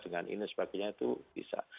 dengan ini sebagainya itu bisa